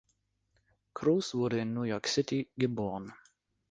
Cruz wurde in New York City geboren.